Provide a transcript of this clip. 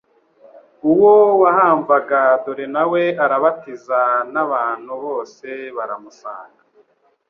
uwo wahamvaga dore nawe arabatiza n'abantu bose baramusanga."